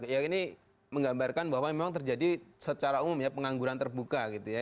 ya ini menggambarkan bahwa memang terjadi secara umum ya pengangguran terbuka gitu ya